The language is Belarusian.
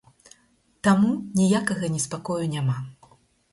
Таму ніякага неспакою няма.